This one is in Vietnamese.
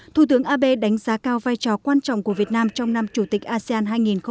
thủ tướng abe đánh giá cao vai trò quan trọng của việt nam trong năm chủ tịch asean hai nghìn hai mươi